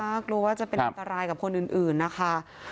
กลัวว่าจะเป็นอันตรายกับคนอื่นนะคะ